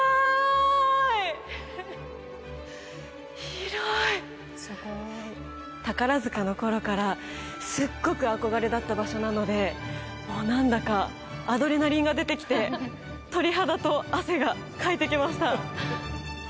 広い宝塚の頃からすっごく憧れだった場所なのでもう何だかアドレナリンが出てきて鳥肌と汗がかいてきました